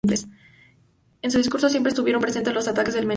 En su discurso siempre estuvieron presentes los ataques al menemismo.